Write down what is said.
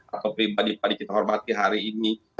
atau pribadi padi kita hormati hari ini